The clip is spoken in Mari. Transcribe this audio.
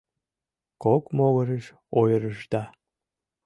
Кок могырыш ойырышда.